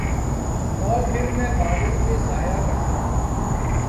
اور پھر میں بادل پہ سایہ کرتا تھا